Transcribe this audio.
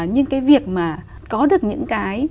nhưng cái việc mà có được những cái